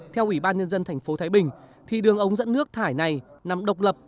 theo ủy ban nhân dân thành phố thái bình thì đường ống dẫn nước thải này nằm độc lập